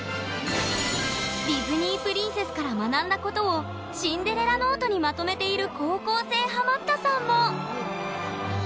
ディズニープリンセスから学んだことをシンデレラノートにまとめている